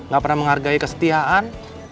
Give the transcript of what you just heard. gak pernah menghargai kesetiaan